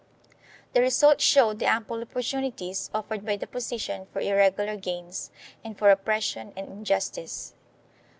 The result showed the ample opportunities offered by the position for irregular gains and for oppression and injustice.